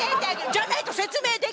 じゃないと説明できないもん。